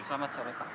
selamat sore pak